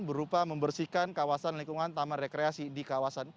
berupa membersihkan kawasan lingkungan taman rekreasi di kawasan